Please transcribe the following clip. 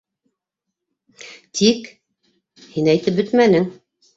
Тик... һин әйтеп бөтмәнең.